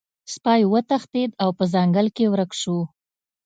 سپی وتښتید او په ځنګل کې ورک شو.